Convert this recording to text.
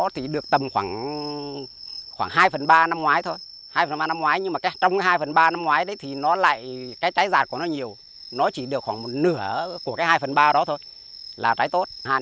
thì tầm khoảng bảy tấn bảy đến tám tấn